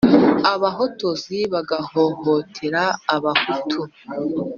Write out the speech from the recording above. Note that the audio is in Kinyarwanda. Abahotozi bagahohotera abahutu.